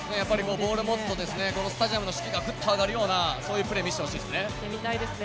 ボールを持つとスタジアムの士気がぐっと上がるようなそういうプレーを見せてほしいです。